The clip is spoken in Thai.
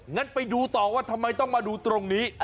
งั้นไปดูต่อว่าทำไมต้องมาดูตรงนี้